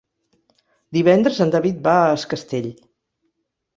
Divendres en David va a Es Castell.